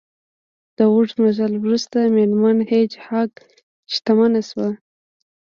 د اوږد مزل وروسته میرمن هیج هاګ شکمنه شوه